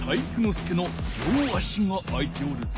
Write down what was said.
介の両足が空いておるぞ。